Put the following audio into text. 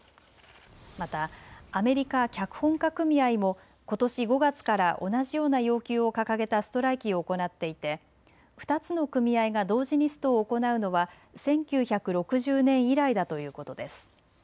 またアメリカ脚本家組合もことし５月から同じような要求を掲げたストライキを行っていて２つの組合が同時にストを行うのは１９６０年以来だということです。